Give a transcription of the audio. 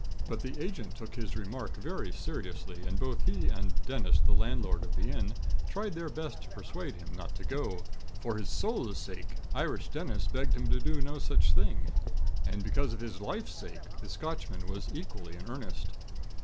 "But the Agent took his remark very seriously, and both he and Dennis the landlord of the inn, tried their best to persuade him not to go. For his 'sowl's sake,' Irish Dennis begged him to do no such thing; and because of his 'life's sake,' the Scotchman was equally in earnest.